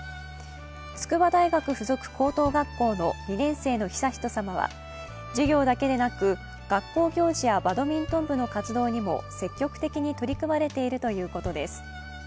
筑波大学附属高等学校の２年生の悠仁さまは授業だけでなく、学校行事やバドミントン部の活動にも積極的に取り組まれているということです。